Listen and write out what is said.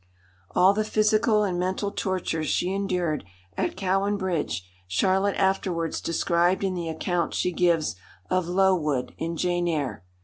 All the physical and mental tortures she endured at Cowan Bridge, Charlotte afterwards described in the account she gives of "Lowood" in Jane Eyre.